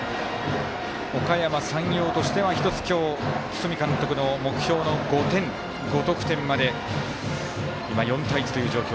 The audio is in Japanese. おかやま山陽としては１つ今日堤監督の目標５得点まで今、４対１という状況。